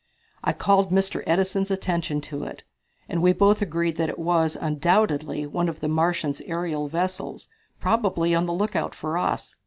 I called Mr. Edison's attention to it, and we both agreed that it was, undoubtedly, one of the Martians' aerial vessels, probably on the lookout for us.